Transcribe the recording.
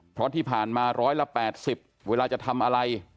เพราะที่ผ่านมาร้อยละ๘๐เวลาจะทำอะไร